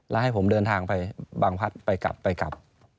แล้วให้ผมเดินทางไปบางพัดไปกลับไปกลับ